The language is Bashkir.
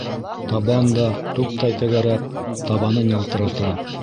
Табан да, туптай тәгәрәп, табанын ялтырата.